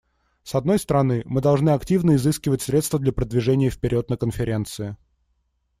С одной стороны, мы должны активно изыскивать средства для продвижения вперед на Конференции.